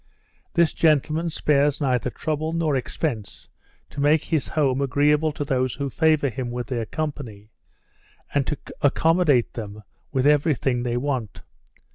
This gentleman spares neither trouble nor expence to make his house agreeable to those who favour him with their company, and to accommodate them with every thing they want.